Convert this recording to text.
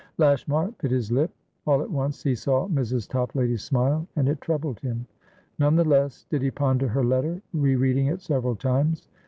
Lashmar bit his lip. All at once he saw Mrs. Toplady's smile, and it troubled him. None the less did he ponder her letter, re reading it several times.